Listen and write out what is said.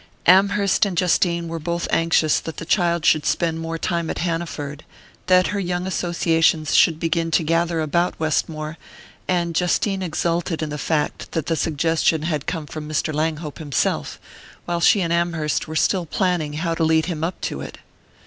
Amherst and Justine were both anxious that the child should spend more time at Hanaford, that her young associations should begin to gather about Westmore; and Justine exulted in the fact that the suggestion had come from Mr. Langhope himself, while she and Amherst were still planning how to lead him up to it.